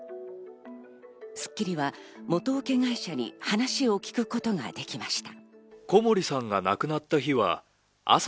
『スッキリ』は元請け会社に話を聞くことができました。